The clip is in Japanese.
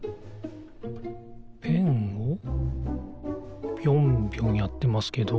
ペンをぴょんぴょんやってますけど。